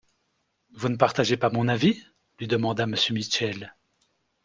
Vous ne partagez pas mon avis ? lui demanda Monsieur Mitchell.